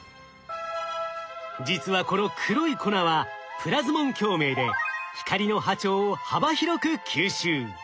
実はこの黒い粉はプラズモン共鳴で光の波長を幅広く吸収。